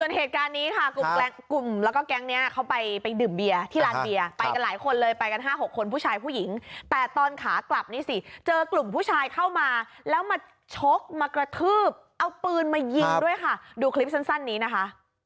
ส่วนเหตุการณ์นี้ค่ะกลุ่มแล้วก็แก๊งนี้เขาไปไปดื่มเบียร์ที่ร้านเบียร์ไปกันหลายคนเลยไปกัน๕๖คนผู้ชายผู้หญิงแต่ตอนขากลับนี่สิเจอกลุ่มผู้ชายเข้ามาแล้วมาชกมากระทืบเอาปืนมายิงด้วยค่ะดูคลิปสั้นนี้นะคะ